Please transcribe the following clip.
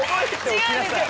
違うんですよ。